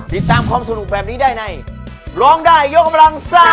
ติดตามความสนุกแบบนี้ได้ในร้องได้ยกกำลังซ่า